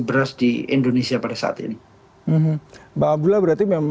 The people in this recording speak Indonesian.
beras di indonesia pada saat ini